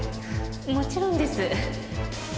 もちろんです。